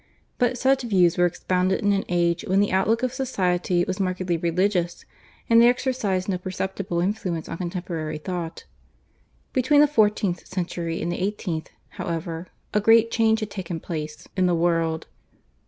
But such views were expounded in an age when the outlook of society was markedly religious, and they exercised no perceptible influence on contemporary thought. Between the fourteenth century and the eighteenth, however, a great change had taken place in the world.